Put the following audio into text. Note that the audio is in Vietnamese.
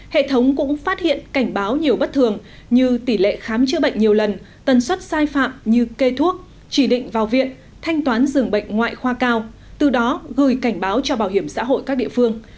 hệ thống cũng phát hiện cảnh báo nhiều bất thường như tỷ lệ khám chữa bệnh nhiều lần tần suất sai phạm như kê thuốc chỉ định vào viện thanh toán dường bệnh ngoại khoa cao từ đó gửi cảnh báo cho bảo hiểm xã hội các địa phương